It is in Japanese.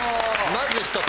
まず１つ。